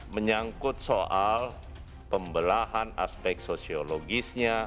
menyangkut soal pembelahan aspek sosiologisnya